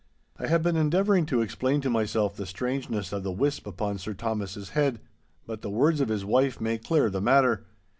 I had been endeavouring to explain to myself the strangeness of the wisp upon Sir Thomas's head, but the words of his wife made clear the matter.